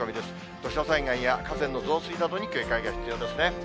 土砂災害や河川の増水などに警戒が必要ですね。